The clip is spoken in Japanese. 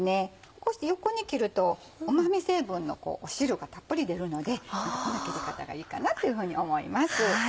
こうして横に切るとうま味成分の汁がたっぷり出るのでこの切り方がいいかなっていうふうに思います。